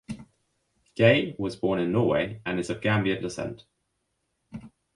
Gaye was born in Norway and is of Gambian descent.